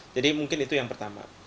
jadi mungkin itu yang pertama